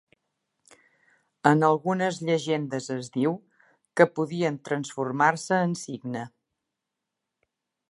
En algunes llegendes es diu que podien transformar-se en cigne.